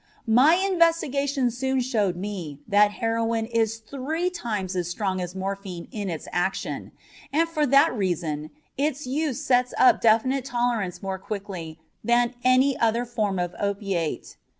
My investigations soon showed me that heroin is three times as strong as morphine in its action, and for that reason its use sets up definite tolerance more quickly than any other form of opiate.